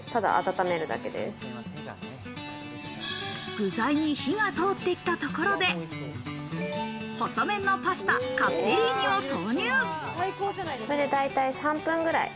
具材に火が通ってきたところで、細麺のパスタ・カッペリーニを投入。